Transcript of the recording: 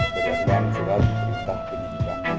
berjalan jalan juga berita penyelidikan